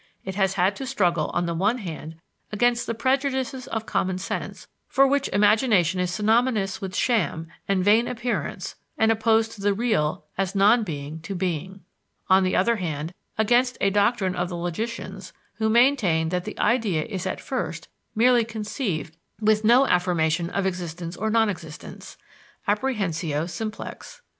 It has had to struggle on the one hand against the prejudices of common sense for which imagination is synonymous with sham and vain appearance and opposed to the real as non being to being; on the other hand, against a doctrine of the logicians who maintain that the idea is at first merely conceived with no affirmation of existence or non existence (apprehensio simplex).